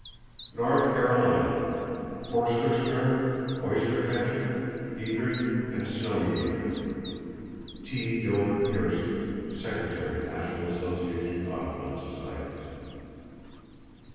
North Carolina: Forster's tern, oystercatcher, egret and snowy egret.—(T. Gilbert Pearson, Sec. Nat. Asso. Audubon Societies.)